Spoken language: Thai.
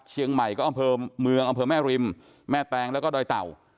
เชียงใหม่ก็อำเภอเมืองอำเภอแม่ริมแม่แตงแล้วก็ดอยเต่า